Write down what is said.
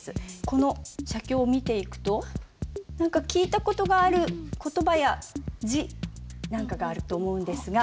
この写経を見ていくと何か聞いた事がある言葉や字なんかがあると思うんですが。